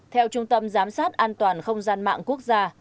theo trung tâm giám sát an toàn không gian mạng quốc gia